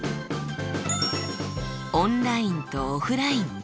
オンラインとオフライン。